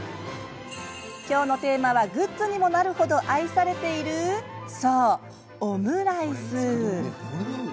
きょうのテーマは、グッズにもなるほど、愛されているそう、オムライス！